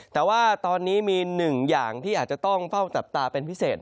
แต่ว่าตอนนี้มีหนึ่งอย่างที่อาจจะต้องเฝ้าจับตาเป็นพิเศษ